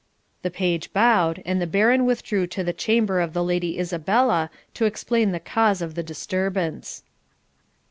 The page bowed, and the Baron withdrew to the chamber of the Lady Isabella to explain the cause of the disturbance.